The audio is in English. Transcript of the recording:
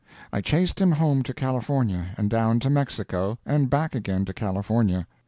I chased him home to California, and down to Mexico, and back again to California.